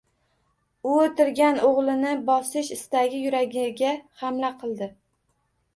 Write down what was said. U o‘tirgan o‘g‘lini bosish istagi yuragiga hamla qildi.